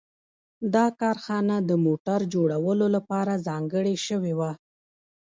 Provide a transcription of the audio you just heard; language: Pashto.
دا کارخانه د موټر جوړولو لپاره ځانګړې شوې وه